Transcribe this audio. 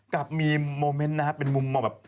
กับมีโมเมนต์นะครับเป็นมุมมาแบบ